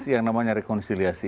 yang namanya rekonsiliasi